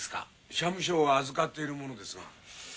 社務所を預かっている者ですが。